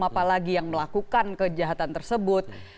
apalagi yang melakukan kejahatan tersebut